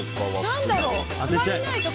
何だろう。